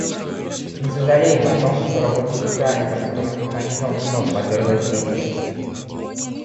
Мы сожалеем о том, что работа специальных процедурных механизмов вновь подверглась критике.